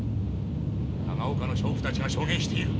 長岡の娼婦たちが証言している。